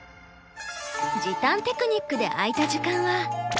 時短テクニックで空いた時間は。